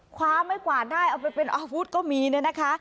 ความไม่กวาดได้เอาไปเป็นอาวุธก็มีเนี่ยนะคะ